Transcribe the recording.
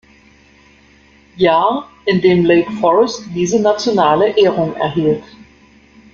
Jahr in dem Lake Forest diese nationale Ehrung erhielt.